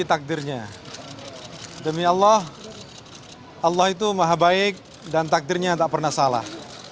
allah itu maha baik dan takdirnya tak pernah salah